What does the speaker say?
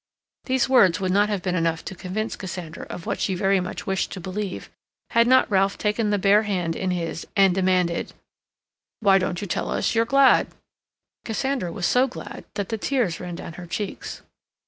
These words would not have been enough to convince Cassandra of what she very much wished to believe had not Ralph taken the bare hand in his and demanded: "Why don't you tell us you're glad?" Cassandra was so glad that the tears ran down her cheeks.